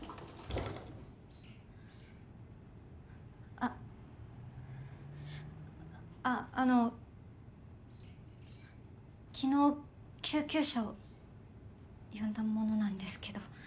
あっあっあの昨日救急車を呼んだ者なんですけど。